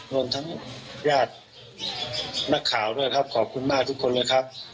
รวมทั้งญาตินักข่าวด้วยครับขอบคุณมากทุกคนเลยครับ